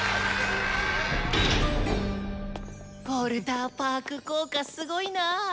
ウォルターパーク効果すごいな。